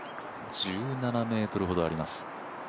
１７ｍほどあります。